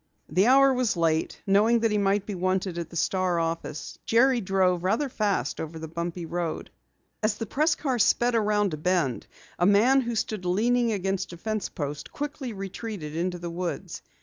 The hour was late. Knowing that he might be wanted at the Star office, Jerry drove rather fast over the bumpy road. As the press car sped around a bend, a man who stood leaning against a fence post, quickly retreated into the woods.